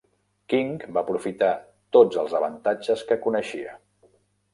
King va aprofitar tots els avantatges que coneixia.